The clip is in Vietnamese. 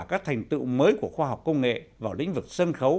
các thành tựu mới của khoa học công nghệ vào lĩnh vực sân khấu